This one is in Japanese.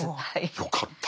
よかった。